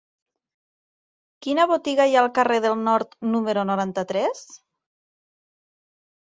Quina botiga hi ha al carrer del Nord número noranta-tres?